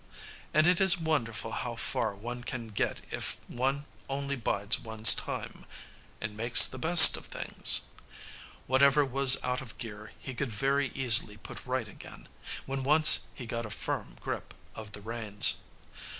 And it is wonderful how far one can get if one only bides one's time, and makes the best of things. Whatever was out of gear he could very easily put right again, when once he got a firm grip of the reins.